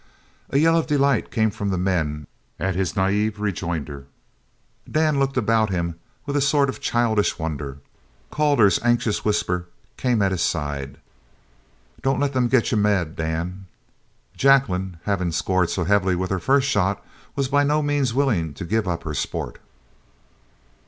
A yell of delight came from the men at this naive rejoinder. Dan looked about him with a sort of childish wonder. Calder's anxious whisper came at his side: "Don't let them get you mad, Dan!" Jacqueline, having scored so heavily with her first shot, was by no means willing to give up her sport.